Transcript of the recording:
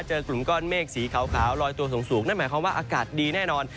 เจอกลุ่มก้อนเมฆสีขาวลอยตัวสูงนั่นหมายความว่าอากาศดีแน่นอน